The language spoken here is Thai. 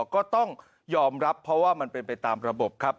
ก็ต้องยอมรับเพราะว่ามันเป็นไปตามระบบครับ